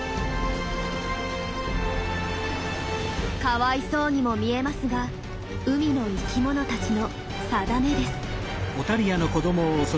かわいそうにも見えますが海の生きものたちの定めです。